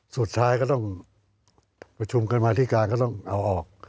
สุดท้ายก็ต้องประชุมกันมาธิการก็ต้องเอาออก